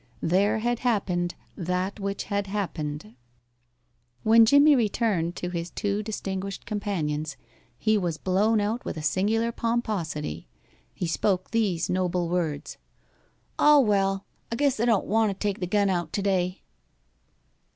There had happened that which had happened. When Jimmie returned to his two distinguished companions he was blown out with a singular pomposity. He spoke these noble words: "Oh, well, I guess I don't want to take the gun out to day."